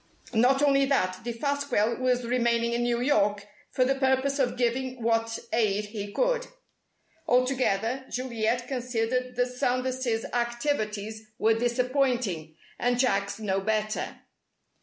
Not only that, Defasquelle was remaining in New York for the purpose of giving what aid he could. Altogether, Juliet considered that Sanders' activities were disappointing, and Jack's no better.